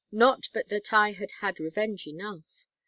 'Not but that I had had revenge enough.